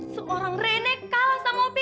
seorang renek kalah sama opi